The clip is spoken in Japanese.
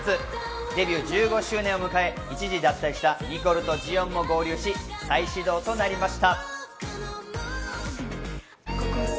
デビュー１５周年を迎え、一時脱退したニコルとジヨンも合流し、再始動となりました。